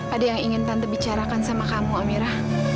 ada yang ingin tante bicarakan sama kamu amira